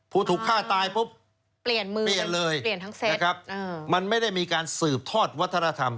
พูดถูกฆ่าตายปุ๊บเปลี่ยนเลยนะครับมันไม่ได้มีการสืบทอดวัฒนธรรม